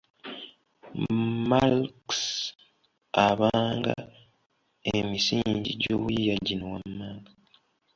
Malx abanga emisingi gy’obuyiiya gino wammanga: